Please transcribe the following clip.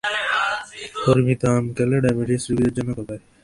পরিমিত আম খেলে ডায়াবেটিস রোগীদের জন্য উপকারী।